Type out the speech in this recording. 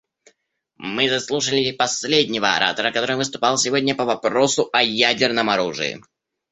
Мы заслушали последнего оратора, который выступал сегодня по вопросу о ядерном оружии.